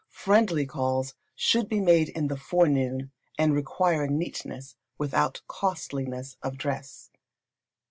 Friendly calls should be made in the forenoon, and require neatness, without costliness of dress.